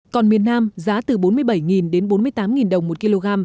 còn miền nam giá từ bốn mươi bảy đến bốn mươi tám đồng một kg